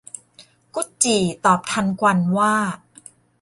กุดจี่ตอบทันควันว่า